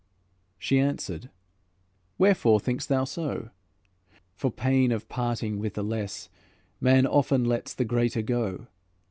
She answered: "Wherefore thinkst thou so? For pain of parting with the less, Man often lets the greater go.